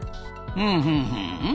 ふんふんふん。